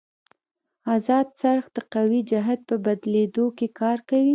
ازاد څرخ د قوې جهت په بدلېدو کې کار کوي.